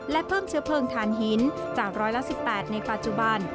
และเพิ่มเชื้อเพลิงทานหินจาก๑๘บาทในปัจจุบัน